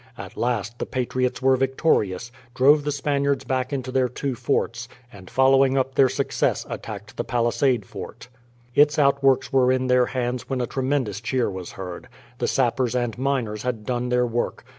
At last the patriots were victorious, drove the Spaniards back into their two forts, and following up their success attacked the Palisade Fort. Its outworks were in their hands when a tremendous cheer was heard. The sappers and miners had done their work.